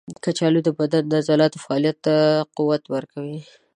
کچالو د بدن د عضلاتو فعالیت ته قوت ورکوي.